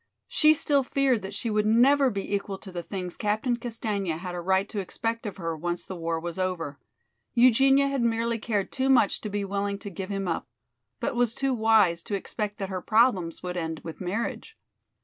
She still feared that she would never be equal to the things Captain Castaigne had a right to expect of her, once the war was over. Eugenia had merely cared too much to be willing to give him up, but was too wise to expect that her problems would end with marriage.